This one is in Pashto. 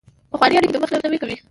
پخوانۍ اړیکې د ودې مخنیوی کوي.